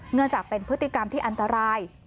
เนื่องจากเป็นพฤติกรรมที่อันตราย